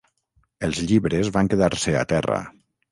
Els llibres van quedar-se a terra.